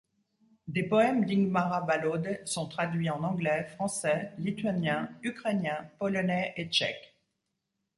Des poèmes d'Ingmāra Balode sont traduits en anglais, français, lituanien, ukrainien, polonais et tchèque.